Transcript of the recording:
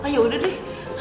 ya udah deh